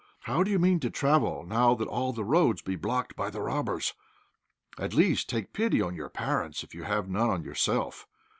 How do you mean to travel now that all the roads be blocked by the robbers? At least, take pity on your parents if you have none on yourself.